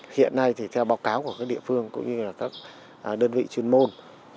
hiện nay thì theo báo cáo của các địa phương cũng như là các đơn vị chuyên môn